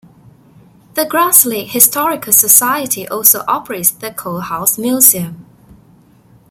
The Grass Lake Historical Society also operates the Coe House Museum.